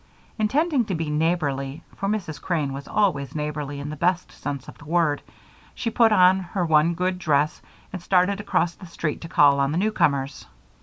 Intending to be neighborly, for Mrs. Crane was always neighborly in the best sense of the word, she put on her one good dress and started across the street to call on the newcomers.